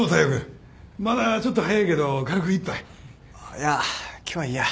いや今日はいいや。